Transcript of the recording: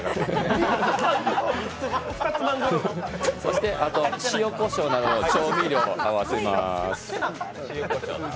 そして、塩こしょうなどの調味料を合わせます。